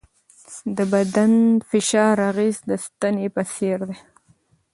د بدن فشار اغېز د ستنې په څېر دی.